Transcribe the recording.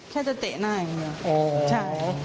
แค่จะเตะหน้าอย่างนี้